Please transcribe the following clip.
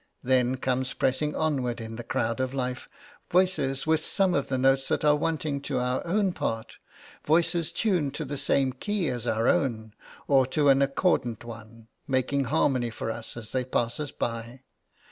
Then come pressing onward in the crowd of life, voices with some of the notes that are wanting to our own part voices tuned to the same key as our own, or to an accordant one; making harmony for us as they pass us by.